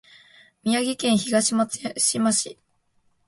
宮城県東松島市